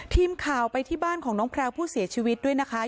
ทีมข่าวไปที่บ้านของน้องแพลวผู้เสียชีวิตด้วยนะคะ